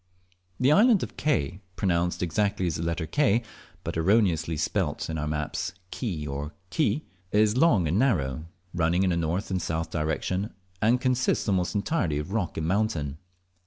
The island of Ke (pronounced exactly as the letter K, but erroneously spelt in our maps Key or Ki) is long and narrow, running in a north and south direction, and consists almost entirely of rock and mountain.